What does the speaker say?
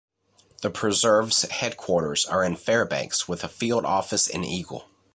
The preserve's headquarters are in Fairbanks with a field office in Eagle.